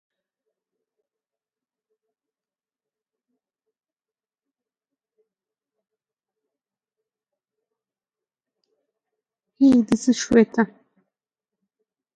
There are also some Muslims and Jews.